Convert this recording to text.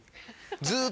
ずっと。